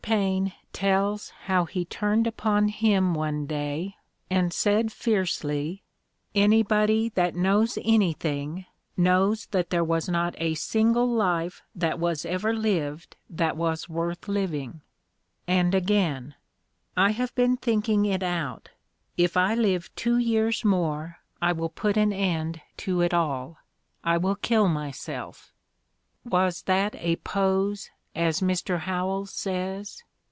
Paine tells how he turned upon him one day and said fiercely: "Anybody that knows | anything knows that there was not a single life that ' was ever lived that was worth living"; and again: "I have been thinking it out — if I live two years more I 258 The Ordeal of Mark Twain will put an end to it all. I will kill myself. '' Was that a pose, as Mr. Howells says